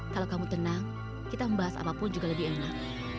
kalau kamu tenang kita membahas apapun juga lebih enak